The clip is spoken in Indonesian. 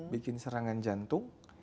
bikin serangan jantung